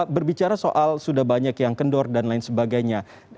berbicara soal sudah banyak yang kendor dan lain sebagainya